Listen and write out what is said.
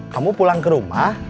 kamu pulang ke rumah